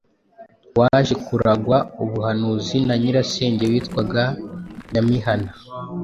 waje kuragwa ubuhanuzi na Nyirasenge witwaga Nyamihana.